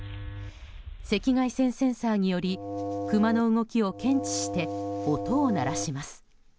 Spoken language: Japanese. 赤外線センサーによりクマの動きを検知して音を鳴らします。